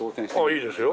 いいですよ。